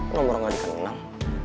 nomor gak dikandung neng